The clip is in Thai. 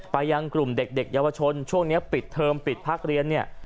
ยังกลุ่มเด็กเยาวชนช่วงนี้ปิดเทอมปิดพักเรียนเนี่ย